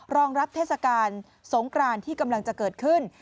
รองรับเทศกาลสงกรานที่กำลังจะเกิดขึ้น